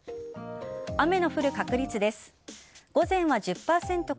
雨の降る確率です。